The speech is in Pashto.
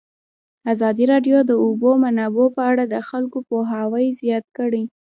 ازادي راډیو د د اوبو منابع په اړه د خلکو پوهاوی زیات کړی.